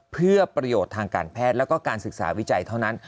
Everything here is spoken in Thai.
เพื่อประโยชน์ทางการแพทย์แล้วก็การศึกษาวิจัยเท่านั้น